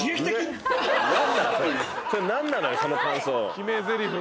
決めぜりふ。